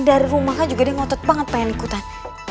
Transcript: dari rumahnya juga dia ngotot banget pengen ikutan